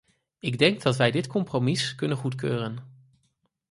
Ik denk dat wij dit compromis kunnen goedkeuren.